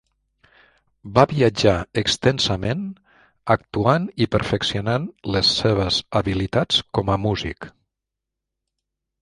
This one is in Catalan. Va viatjar extensament actuant i perfeccionant les seves habilitats com a músic.